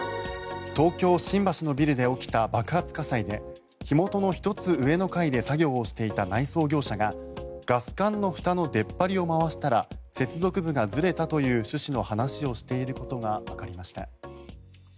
東京・新橋のビルで起きた爆発火災で火元の１つ上の階で作業をしていた内装業者がガス管のふたの出っ張りを回したら接続部がずれたという趣旨の話をしていることがわかりました。